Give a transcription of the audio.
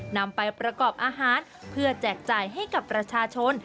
นำไปประกอบอาหารเพื่อแจกจ่ายให้กับประชาชน